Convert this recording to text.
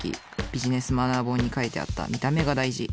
ビジネスマナー本に書いてあった「見た目が大事」。